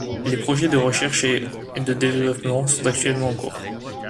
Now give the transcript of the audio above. Des projets de recherches et de développements sont actuellement en cours.